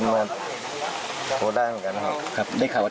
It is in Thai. หวังอะไรบ้างมีสาเหตุใหญ่เหรอ